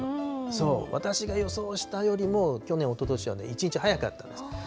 そう、私が予想したよりも去年、おととしは１日早かったんです。